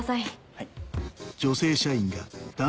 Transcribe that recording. はい。